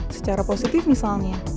secara positif misalnya